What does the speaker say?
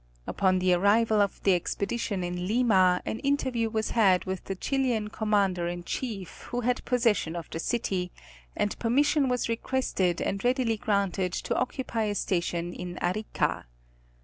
Upon the arrival of the expedition in Lima, an interview was had with the Chilian Commander in Chief who had possession of the city, and permission was requested and readily granted to occupy a station in Arica.